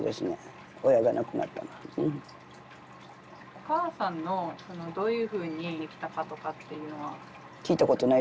お母さんのどういうふうに来たかとかっていうのは。